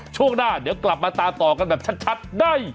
ช่วงหน้าเดี๋ยวกลับมาตามต่อกันแบบชัดได้